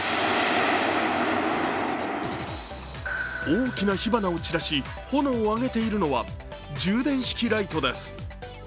大きな火花を散らし炎を上げているのは充電式ライトです。